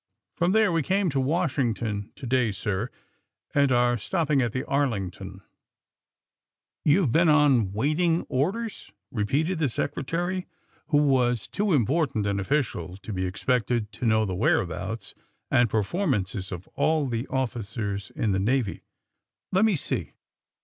From there we came to Washington to day, sir, and are stopping at the Arlington." ^^ You've been on waiting orders^" repeated the Secretary, who was too important an official to be expected to know the whereabouts and per formances of all the officers in the Navy. *^Let me see."